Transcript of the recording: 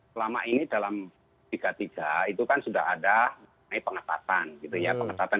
selama ini dalam tiga puluh tiga itu kan sudah ada mengenai pengetatan